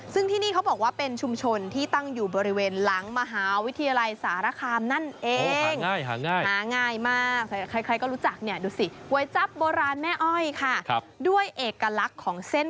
ซึ่งที่นี่เขาบอกว่าเป็นชุมชนที่ตั้งอยู่บริเวณหลังมหาวิทยาลัยสารคามนั่นเอง